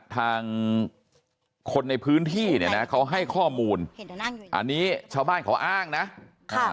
ทางคนในพื้นที่เนี่ยนะเขาให้ข้อมูลอันนี้ชาวบ้านเขาอ้างนะค่ะ